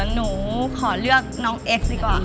หนูขอเลือกน้องเอ็กซ์ดีกว่าค่ะ